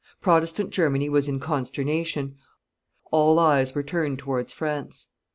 Protestant Germany was in consternation; all eyes were turned towards France.